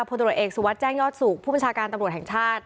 ตรวจเอกสุวัสดิแจ้งยอดสุขผู้บัญชาการตำรวจแห่งชาติ